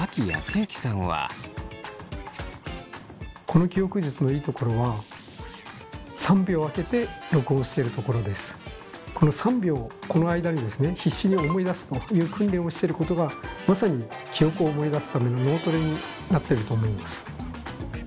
この記憶術のいいところはこの３秒この間に必死に思い出すという訓練をしてることがまさに記憶を思い出すための脳トレになってると思います。